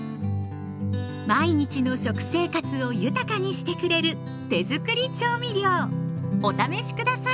毎日の食生活を豊かにしてくれる手づくり調味料お試し下さい！